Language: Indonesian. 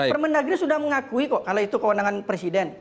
permendagri sudah mengakui kok kalau itu kewenangan presiden